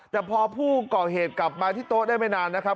แต่พอผู้ก่อเหตุกลับมาที่โต๊ะได้ไม่นานนะครับ